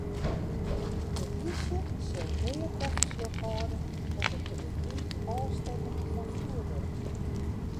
De polysje sil mear tafersjoch hâlde op it te betiid ôfstekken fan fjoerwurk.